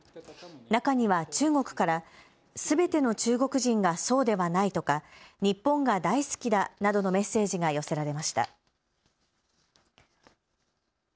中には中国からすべての中国人がそうではないとか、日本が大好きだなどのメッセージが寄せられました。